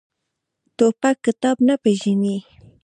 توپک کتاب نه پېژني.